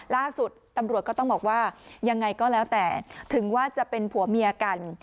ล่าสุดตำรวจก็ต้องบอกว่ายังไงก็แล้วแต่ถึงว่าจะเป็นผัวเมียกัน